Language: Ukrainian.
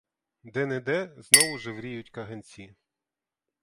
Де-не-де знову жевріють каганці.